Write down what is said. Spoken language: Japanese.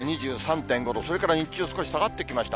２３．５度、それから日中、少し下がってきました。